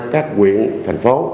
các quyện thành phố